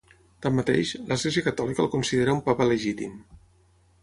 Tanmateix, l'Església Catòlica el considera un papa legítim.